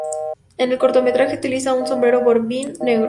En el cortometraje, utiliza un sombrero bombín negro.